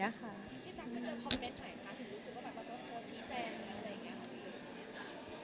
พี่ตั๊กก็เจอคอมเมนต์ไหนนะคะถึงรู้สึกว่าเราก็ต้องชี้แจงอะไรอย่างเงี้ย